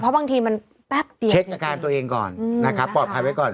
เพราะบางทีมันแป๊บเดียวเช็คอาการตัวเองก่อนนะครับปลอดภัยไว้ก่อน